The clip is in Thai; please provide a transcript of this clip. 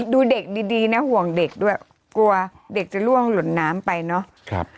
ดูเด็กดีนะห่วงเด็กด้วยกลัวเด็กจะล่วงหล่นน้ำไปเนาะ